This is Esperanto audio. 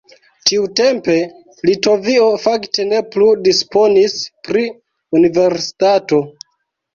Tiutempe Litovio fakte ne plu disponis pri universitato.